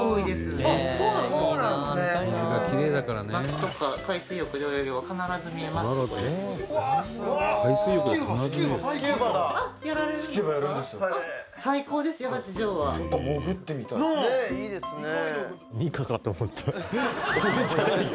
「ねえいいですね」